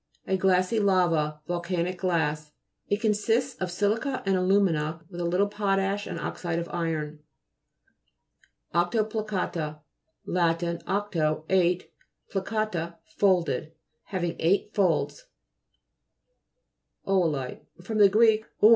A glassy lava. Volcanic glass. It consists of si'lica and alu'mina with a little potash and oxide of iron. OCTOPLICA'TA Lat. octo, eight, pli ca'ta, folded. Having eight folds. OLD RED SANDSTONE (p. 37). O'OLITE fr. gr.